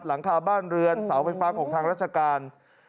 หลังคาบ้านเรือนเสาไฟฟ้าของทางราชการ